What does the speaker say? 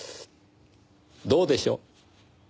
どうでしょう？